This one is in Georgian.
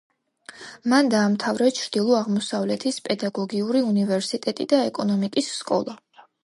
მან დაამთავრა ჩრდილო-აღმოსავლეთის პედაგოგიური უნივერსიტეტი და ეკონომიკის სკოლა.